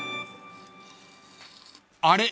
［あれ？